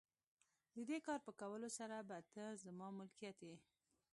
د دې کار په کولو سره به ته زما ملکیت یې.